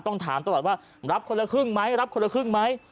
ต้องถามตลอดว่ารับคนละครึ่งไหมรับคนละครึ่งไหม